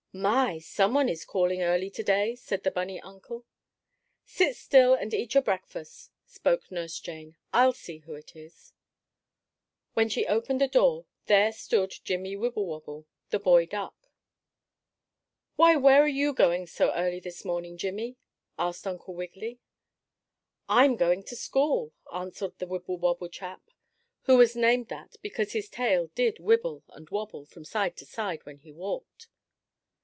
"My! Some one is calling early to day!" said the bunny uncle. "Sit still and eat your breakfast," spoke Nurse Jane. "I'll see who it is." When she opened the door there stood Jimmie Wibblewobble, the boy duck. "Why where are you going so early this morning, Jimmie?" asked Uncle Wiggily. "I'm going to school," answered the Wibblewobble chap, who was named that because his tail did wibble and wobble from side to side when he walked.